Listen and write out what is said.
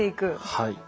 はい。